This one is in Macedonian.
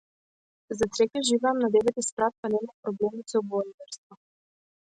За среќа, живеам на деветти спрат, па немам проблеми со воајерство.